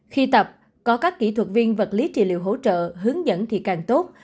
khi tập có các kỹ thuật viên vật lý trị liệu hỗ trợ hướng dẫn thì càng tốt